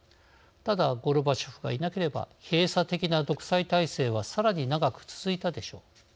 ただ、ゴルバチョフがいなければ閉鎖的な独裁体制はさらに長く続いたでしょう。